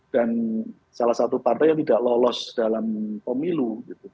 salah satu partai yang tidak lolos dalam pemilu